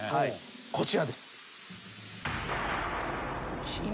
こちらです。